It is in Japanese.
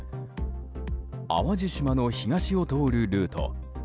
淡路島の東を通るルート